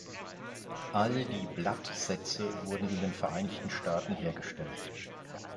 All die Blatt-Sätze wurden in den Vereinigten Staaten hergestellt.